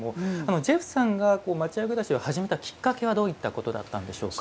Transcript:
ジェフさんが町家暮らしを始めたきっかけはどういったことだったんでしょうか？